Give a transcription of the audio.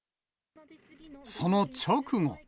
その直後。